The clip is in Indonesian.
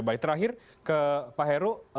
baik terakhir ke pak heru